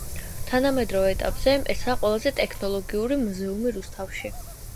თანამედროვე ეტაპზე ესაა ყველაზე ტექნოლოგიური მუზეუმი რუსეთში.